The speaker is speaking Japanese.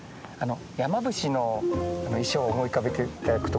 山伏の衣装を思い浮かべて頂くと